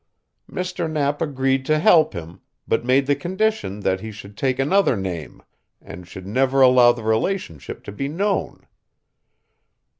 Mr. Knapp agreed to help him, but made the condition that he should take another name, and should never allow the relationship to be known.